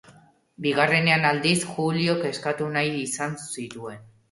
Bigarrenean, aldiz, Juliok eskatu nahi izan zituen.